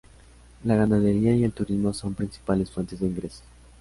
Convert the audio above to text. La ganadería y el turismo son sus principales fuentes de ingresos.